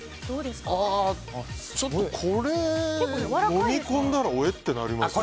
ちょっと、これ飲み込んだらおえってなりますね。